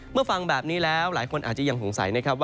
เมื่อฟังแบบนี้แล้วหลายคนอาจจะยังสงสัย